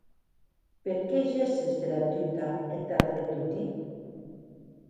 Per qué gesses dera tuta eth darrèr de toti?